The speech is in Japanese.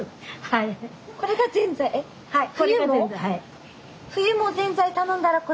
はいこれがぜんざい。